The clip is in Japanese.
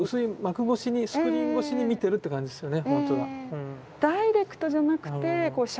スクリーンごしに見てるって感じですよね。